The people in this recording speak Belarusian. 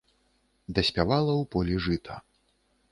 Даспявала ў полі жыта.